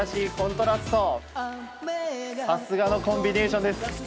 さすがのコンビネーションです。